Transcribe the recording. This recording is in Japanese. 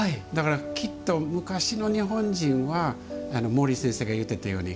きっと、昔の日本人は毛利先生が言ってたように